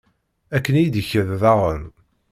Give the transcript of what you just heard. Akken i yi-d-ikad daɣen.